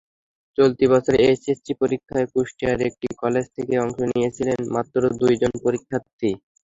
চলতি বছরের এইচএসসি পরীক্ষায় কুষ্টিয়ার একটি কলেজ থেকে অংশ নিয়েছিলেন মাত্র দুজন পরীক্ষার্থী।